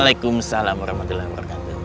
waalaikumsalam warahmatullahi wabarakatuh